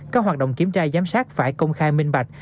các hoạt động kiểm tra giám sát phải công khai minh bạch